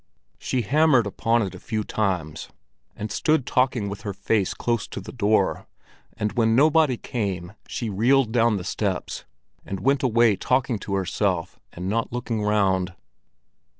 She hammered upon it a few times, and stood talking with her face close to the door; and when nobody came, she reeled down the steps and went away talking to herself and not looking round.